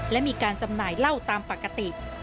และมีการจำหน่ายเหล้าตามปกติ